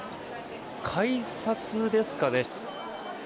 改札ですかね。